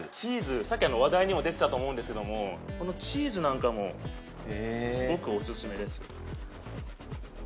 さっき話題にも出てたと思うんですけどもチーズなんかもすごくオススメです。